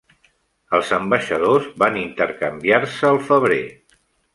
Els ambaixadors van intercanviar-se el febrer.